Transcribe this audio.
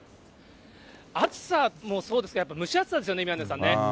暑さもそうですが、やっぱり蒸し暑さでしょうね、宮根さんね。